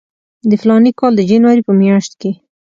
د فلاني کال د جنوري په میاشت کې.